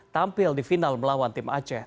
tampil di final melawan tim aceh